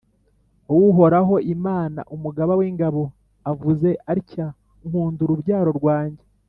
Uhoraho, Imana Umugaba w’ingabo avuze atya nkunda urubyaro rwanjye